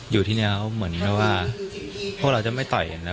อยู่ที่นี่เขาเหมือนว่าพวกเราจะไม่ต่อยกันนะ